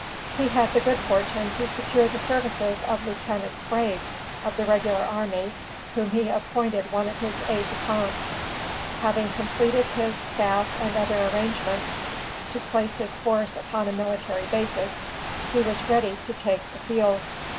He had the good fortune to secure the services of Lieutenant Creigg of the regular army, whom he appointed one of his aids de camp. Having completed his staff and other arrangements to place his force upon a military basis, he was ready to take the field.